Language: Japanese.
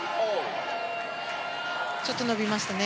ちょっと伸びましたね。